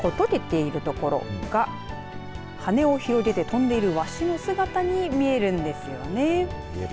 とけているところが羽を広げて飛んでいるわしの姿に見えるんです。